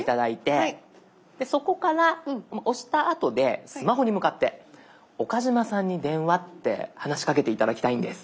そこから押したあとでスマホに向かって「岡嶋さんに電話」って話しかけて頂きたいんです。